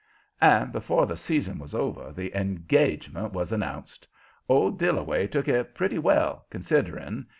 And before the season was over the engagement was announced. Old Dillaway took it pretty well, considering.